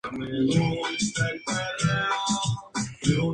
Fotos de los restos fueron publicadas en varios sitios web de Internet en China.